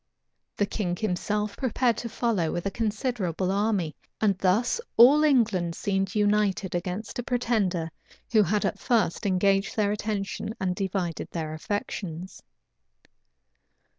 The king himself prepared to follow with a considerable army; and thus all England seemed united against a pretender who had at first engaged their attention and divided their affections.